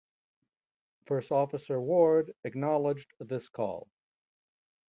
First Officer Ward acknowledged this call.